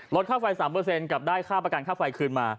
ลดค่าไฟ๓กับได้ค่าประกันค่าไฟคืนมา